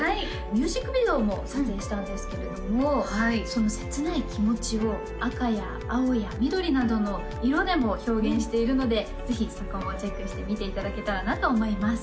ミュージックビデオも撮影したんですけれどもその切ない気持ちを赤や青や緑などの色でも表現しているのでぜひそこもチェックして見ていただけたらなと思います